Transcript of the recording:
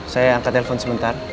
saya angkat telepon sebentar